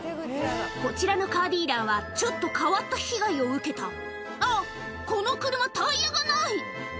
こちらのカーディーラーはちょっと変わった被害を受けたあっこの車タイヤがない！